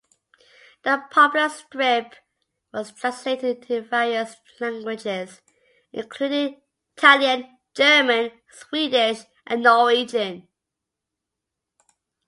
The popular strip was translated into various languages, including Italian, German, Swedish and Norwegian.